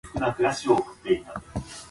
Ware was born in Hingham, Massachusetts.